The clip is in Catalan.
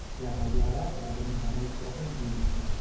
La teulada presenta molt poca inclinació.